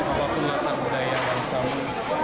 apapun latar budaya dan semua